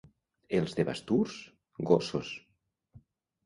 Els de Basturs, gossos.